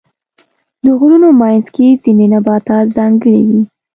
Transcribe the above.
د غرونو منځ کې ځینې نباتات ځانګړي وي.